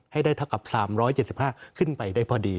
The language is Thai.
ให้ได้เท่ากับสามร้อยเจ็ดสิบห้าขึ้นไปได้พอดี